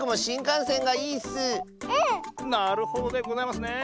なるほどでございますね。